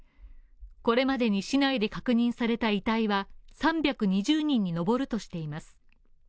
これまでに市内で確認された遺体は３２０人に上るとしています。